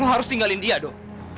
lo harus tinggalin dia do